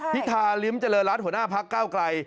พิธาริมเจริญรัฐหัวหน้าพักเก้าไกล